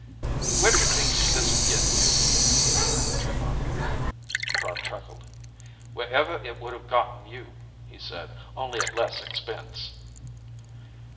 "Where do you think this is getting you?" demanded Tremont. Braigh chuckled. "Wherever it would have gotten you," he said. "Only at less expense."